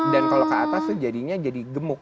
dan kalau ke atas tuh jadinya jadi gemuk